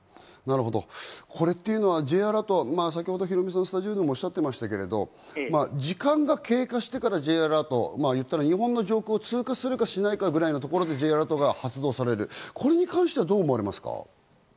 これはＪアラート、先ほどヒロミさんがスタジオでもおっしゃっていましたが、時間が経過してからＪアラート、日本の上空を通過するかしないかぐらいのところでＪアラートが発動される、これに関してどう思われますか？